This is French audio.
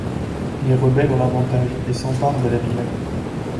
Les rebelles ont l'avantage et s'emparent de la ville.